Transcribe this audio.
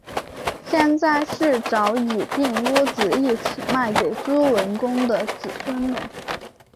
现在是早已并屋子一起卖给朱文公的子孙了